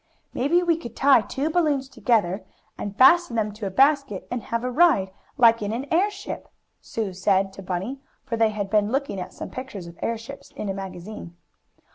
"Maybe we could tie two balloons together, and fasten them to a basket and have a ride, like in an airship," Sue said to Bunny, for they had been looking at some pictures of airships in a magazine.